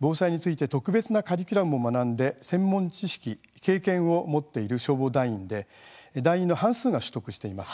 防災について特別なカリキュラムを学んで専門知識、経験を持っている消防団員で団員の半数が取得しています。